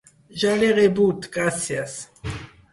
Ja l'he rebut, gracies.